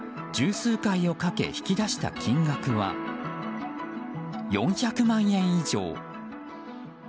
十数回をかけ引き出した金額は４００万円以上。